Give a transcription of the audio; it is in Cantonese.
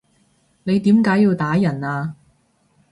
你點解要打人啊？